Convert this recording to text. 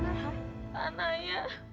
kayaknya gini perasaan aku kak